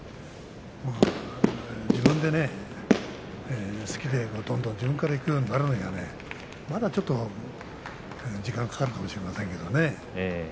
自分でね、好きで、どんどん自分からいくようになるにはねまだ、ちょっと時間がかかるかもしれませんけれどね。